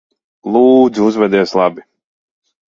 Lūdzu, uzvedies labi.